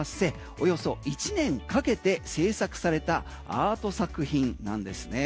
およそ１年かけて制作されたアート作品なんですね。